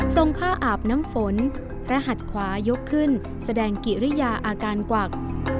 ส่งผ้าอาบน้ำฝนพระหัดขวายกขึ้นแสดงกิริยาอาการกวัก